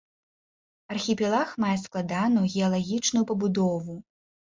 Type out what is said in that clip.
Архіпелаг мае складаную геалагічную пабудову.